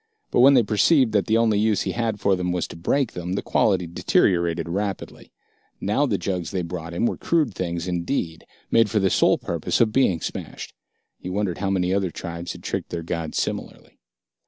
But when they perceived that the only use he had for them was to break them, the quality deteriorated rapidly. Now the jugs they brought him were crude things indeed, made for the sole purpose of being smashed. He wondered how many other tribes had tricked their gods similarly.